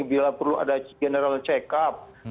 bila perlu ada general check up